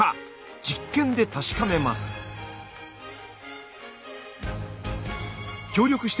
実験で確かめます。